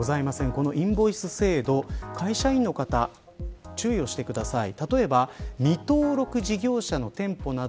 このインボイス制度会社員の方注意をしてください。